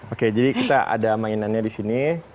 oke jadi kita ada mainannya di sini